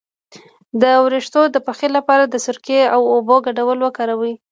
د ویښتو د پخې لپاره د سرکې او اوبو ګډول وکاروئ